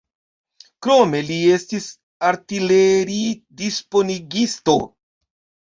Krome li estis artileridisponigisto.